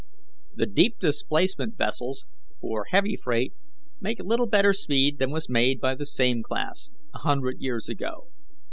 The deep displacement vessels, for heavy freight, make little better speed than was made by the same class a hundred years ago.